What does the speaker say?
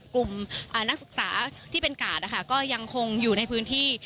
กลุ่มนักศึกษาที่เป็นกาดนะคะก็ยังคงอยู่ในพื้นที่